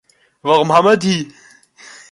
Warum haben wir die?